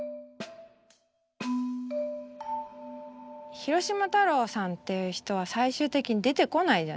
広島太郎さんっていう人は最終的に出てこないじゃないですか。